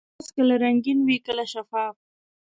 ګیلاس کله رنګین وي، کله شفاف.